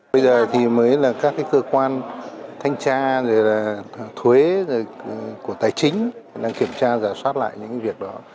bây giờ thì mới là các cơ quan thanh tra thuế của tài chính đang kiểm tra và soát lại những việc đó